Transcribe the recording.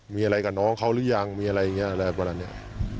มีอะไรกับน้องเขาหรือยังมีอะไรอย่างนี้อะไรประมาณนี้